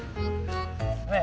ねえ。